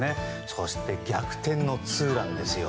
そして逆転のツーランですよ。